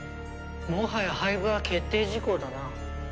もはや廃部は決定事項だな。